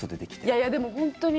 いやいや、でも本当に。